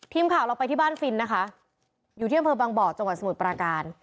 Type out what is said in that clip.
ทีมข่าวเราไปที่บ้านฟินนะคะอยู่ที่อำเภอบางบ่อจังหวัดสมุทรปราการ